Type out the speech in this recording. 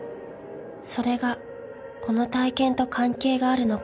［それがこの体験と関係があるのか